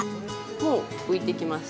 もう浮いてきました。